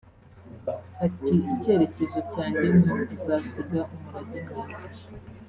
Ati “Icyerekezo cyanjye ni ukuzasiga umurage mwiza